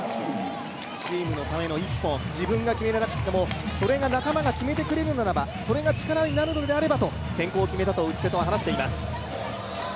チームのための１本を自分が決められなくてもそれが仲間が決めてくれるのであれば、それが力になればと、転向を決めたと内瀬戸は話しています。